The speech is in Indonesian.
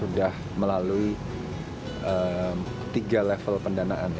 sudah melalui tiga level pendanaan